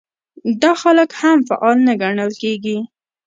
دا خلک هم فعال نه ګڼل کېږي.